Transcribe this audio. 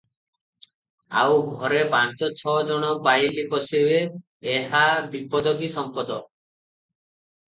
ଆଉ ଘରେ ପାଞ୍ଚ ଛ ଜଣ ପୋଇଲୀ ପଶିବେ, ଏହା ବିପଦ କି ସମ୍ପଦ ।